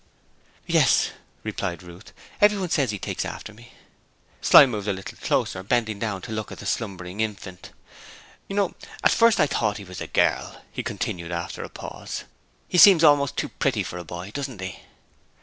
'Yes,' replied Ruth. 'Everyone says he takes after me.' Slyme moved a little closer, bending down to look at the slumbering infant. 'You know, at first I thought he was a girl,' he continued after a pause. 'He seems almost too pretty for a boy, doesn't he?'